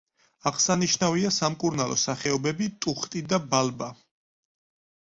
აღსანიშნავია სამკურნალო სახეობები ტუხტი და ბალბა.